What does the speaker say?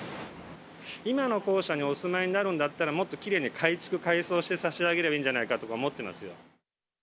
今の公舎にお住まいになるんだったら、もっときれいに改築改装して差し上げればいいんじゃないかとか思